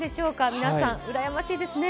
皆さん、羨ましいですね。